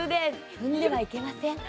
踏んではいけません。